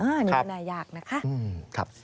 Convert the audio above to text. อันนี้น่ายากนะคะ